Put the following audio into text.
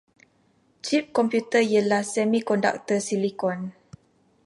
Cip komputer ialah semikonduktor silicon.